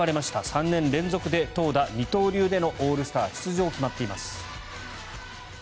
３年連続で投打二刀流でのオールスター出場が決まっています。